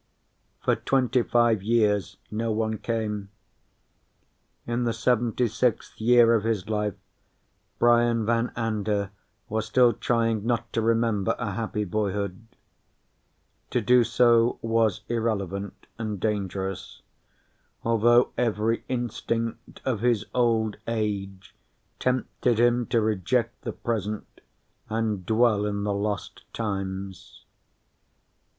For twenty five years, no one came. In the seventy sixth year of his life, Brian Van Anda was still trying not to remember a happy boyhood. To do so was irrelevant and dangerous, although every instinct of his old age tempted him to reject the present and dwell in the lost times.